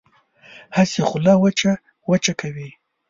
هسې خوله وچه وچه کوي.